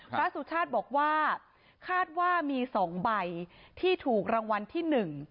พระสูชาติบอกว่าคาดว่ามี๒ใบที่ถูกรางวัลที่๑